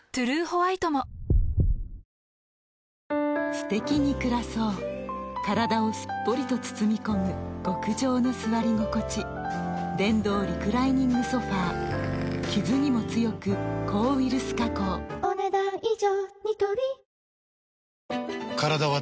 すてきに暮らそう体をすっぽりと包み込む極上の座り心地電動リクライニングソファ傷にも強く抗ウイルス加工お、ねだん以上。